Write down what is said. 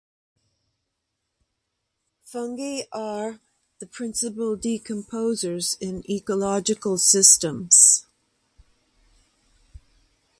Fungi are the principal decomposers in ecological systems.